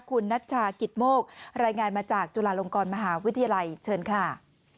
คุณนัชชากิตโมกรายงานมาจากจุฬาลงกรมหาวิทยาลัยเชิญค่ะ